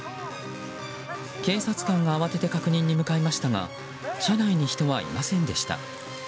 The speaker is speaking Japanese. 警察官が慌てて確認に向かいましたが車内に人はいませんでした。